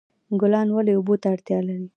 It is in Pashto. ګلان ولې اوبو ته اړتیا لري؟